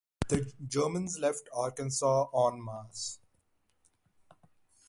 The Germans left Arkansas en masse.